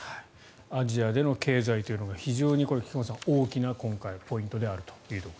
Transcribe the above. アジアでの経済というのが非常に大きな今回のポイントであると。